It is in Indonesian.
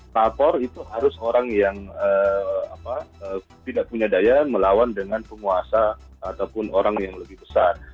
lapor itu harus orang yang tidak punya daya melawan dengan penguasa ataupun orang yang lebih besar